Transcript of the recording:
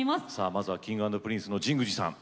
まずはＫｉｎｇ＆Ｐｒｉｎｃｅの神宮寺さん。